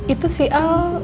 itu sih al